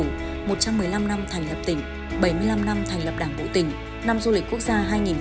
một trăm một mươi năm năm thành lập tỉnh bảy mươi năm năm thành lập đảng bộ tỉnh năm du lịch quốc gia hai nghìn một mươi tám